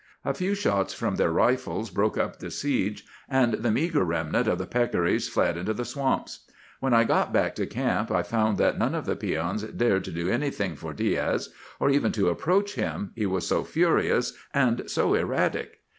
A few shots from their rifles broke up the siege, and the meagre remnant of the peccaries fled into the swamps. When I got back to camp I found that none of the peons dared to do anything for Diaz, or even to approach him, he was so furious and so erratic.